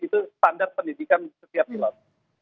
itu standar pendidikan setiap bulan